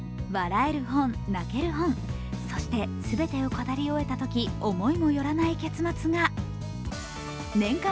笑える本、泣ける本、そして全てを語り終えたとき思いもよらない結末が。